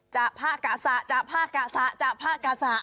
จากภาคกะสะจากภาคกะสะจากภาคกะสะ